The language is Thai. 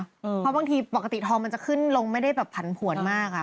เพราะบางทีปกติทองมันจะขึ้นลงไม่ได้แบบผันผวนมาก